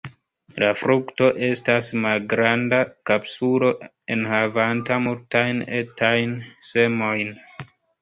La frukto estas malgranda kapsulo enhavanta multajn etajn semojn.